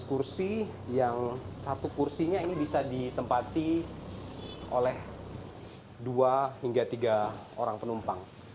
dua belas kursi yang satu kursinya ini bisa ditempati oleh dua hingga tiga orang penumpang